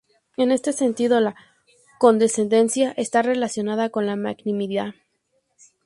En este sentido la condescendencia está relacionada con la magnanimidad.